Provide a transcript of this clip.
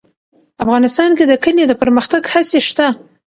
افغانستان کې د کلیو د پرمختګ هڅې شته.